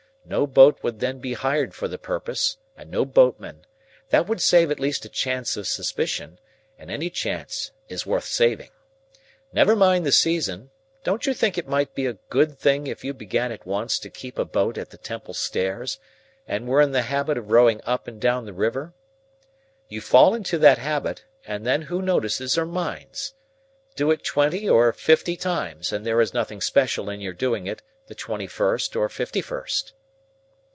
No boat would then be hired for the purpose, and no boatmen; that would save at least a chance of suspicion, and any chance is worth saving. Never mind the season; don't you think it might be a good thing if you began at once to keep a boat at the Temple stairs, and were in the habit of rowing up and down the river? You fall into that habit, and then who notices or minds? Do it twenty or fifty times, and there is nothing special in your doing it the twenty first or fifty first."